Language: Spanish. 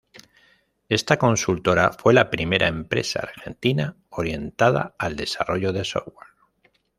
Esta consultora fue la primera empresa argentina orientada al desarrollo de software.